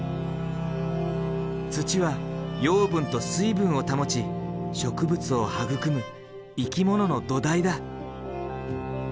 土は養分と水分を保ち植物を育む生き物の土台だ。